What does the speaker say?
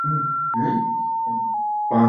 Chamber তিন, এখানে থাকবে একটা থাই জাতীয় সমন্বয় দল।